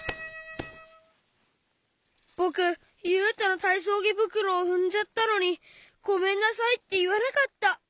ぼくゆうとのたいそうぎぶくろをふんじゃったのに「ごめんなさい」っていわなかった。